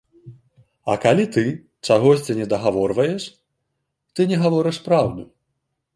А калі ты чагосьці недагаворваеш, ты не гаворыш праўду.